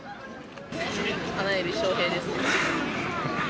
花より翔平ですね。